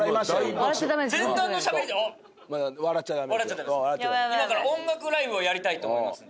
今から音楽ライブをやりたいと思います